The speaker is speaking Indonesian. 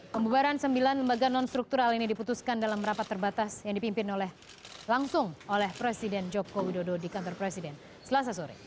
pembubaran sembilan lembaga non struktural ini diputuskan dalam rapat terbatas yang dipimpin langsung oleh presiden joko widodo di kantor presiden selasa sore